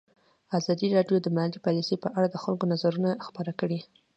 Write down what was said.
ازادي راډیو د مالي پالیسي په اړه د خلکو نظرونه خپاره کړي.